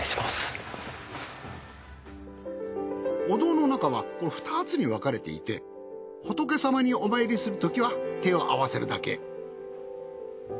お堂の中は２つに分かれていて仏様にお参りするときは手を合わせるだけ。